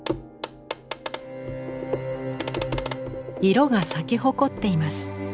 色が咲き誇っています。